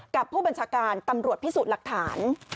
กับผู้บัญชาการตำรวจพิสูจน์หลักฐาน